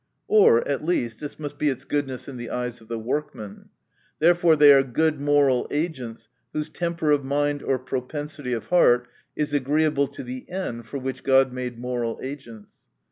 Or, at least, this must be its goodness in the eyes of the workmen. — Therefore they are good moral agents whose temper of mind or propensity of heart is agreeable to the end for which God made moral agents.